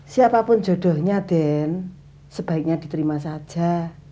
siapapun jodohnya den sebaiknya diterima saja